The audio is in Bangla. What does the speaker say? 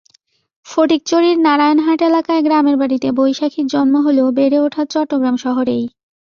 ফটিকছড়ির নারায়ণহাট এলাকায় গ্রামের বাড়িতে বৈশাখীর জন্ম হলেও বেড়ে ওঠা চট্টগ্রাম শহরেই।